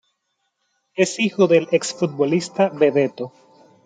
Es hijo del exfutbolista Bebeto.